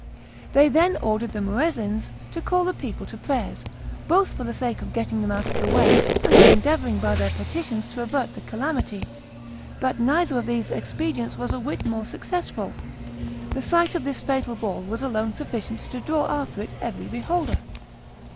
They then ordered the Muezzins to call the people to prayers, both for the sake of getting them out of the way and of endeavouring by their petitions to avert the calamity; but neither of these expedients was a whit more successful: the sight of this fatal ball was alone sufficient to draw after it every beholder.